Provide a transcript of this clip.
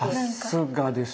さすがです。